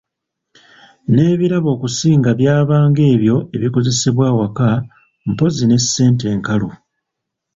N’ebirabo okusinga byabanga ebyo ebikozesebwa awaka, mpozzi ne ssente enkalu.